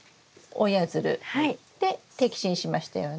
摘心しましたよね？